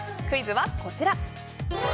クイズはこちら。